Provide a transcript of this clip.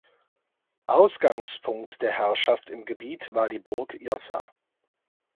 Ausgangspunkt der Herrschaft im Gebiet war die Burg Jossa.